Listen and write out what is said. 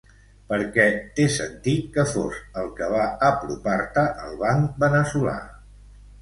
Perquè té sentit que fos el que va apropar-te al banc veneçolà.